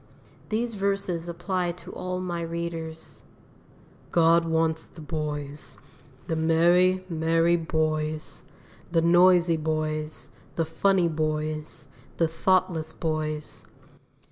These verses apply to all my readers: "God wants the boys, the merry, merry boys, The noisy boys, the funny boys, The thoughtless boys.